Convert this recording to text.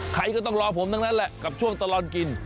ใครก็ต้องรอผมทั้งนั้นแหละกับช่วงตลอดกิน